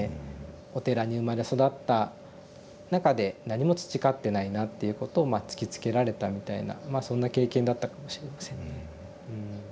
お寺に生まれ育った中で何も培ってないなっていうことをまあ突きつけられたみたいなまあそんな経験だったかもしれませんね。